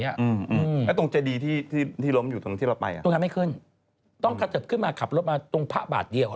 อืมอืมแล้วตรงเจดีที่ที่ที่ล้มอยู่ตรงที่เราไปอ่ะตรงไหนไม่ขึ้นต้องขจับขึ้นมาขับรถมาตรงผ้าบาทเดียวอ่ะ